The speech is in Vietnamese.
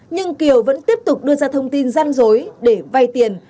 nhưng kiều vẫn tiếp tục đưa ra thông tin gian dối để vay tiền